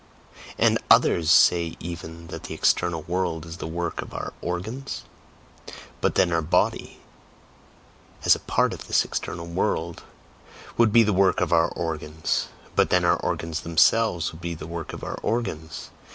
And others say even that the external world is the work of our organs? But then our body, as a part of this external world, would be the work of our organs! But then our organs themselves would be the work of our organs!